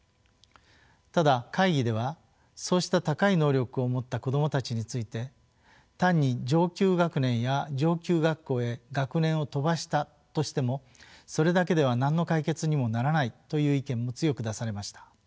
ただ会議ではそうした高い能力を持った子どもたちについて単に上級学年や上級学校へ学年を飛ばしたとしてもそれだけでは何の解決にもならないという意見も強く出されました。